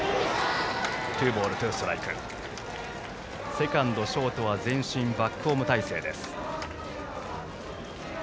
セカンド、ショートは前進バックホーム態勢。